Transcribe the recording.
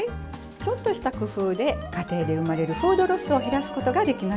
ちょっとした工夫で家庭で生まれるフードロスを減らすことができますよ。